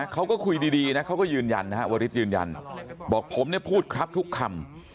เขาก็คุยดีนะเขาก็ยืนยันนะฮะวริสยืนยันบอกผมเนี่ยพูดครับทุกคำ